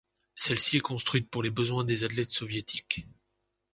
Celle-ci est construite pour les besoins des athlètes soviétiques.